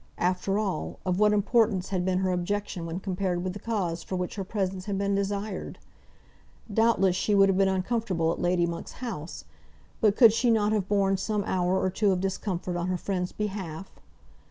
After all, of what importance had been her objection when compared with the cause for which her presence had been desired? Doubtless she would have been uncomfortable at Lady Monk's house; but could she not have borne some hour or two of discomfort on her friend's behalf?